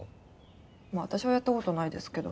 まあ私はやった事ないですけど。